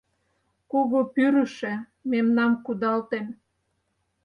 Кугу пӱрышӧ мемнам кудалтен.